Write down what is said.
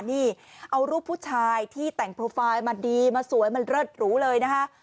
นี่เอารูปผู้ชายที่แต่งโปรไฟล์มาดีมาสวยมันเลิศหรูเลยนะคะ